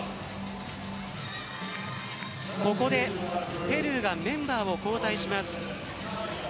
ここでペルーがメンバーを交代します。